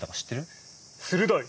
鋭い！